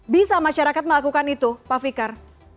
bisa masyarakat melakukan itu pak fikar